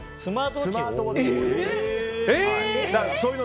スマートウォッチ。